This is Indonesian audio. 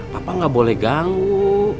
papa nggak boleh ganggu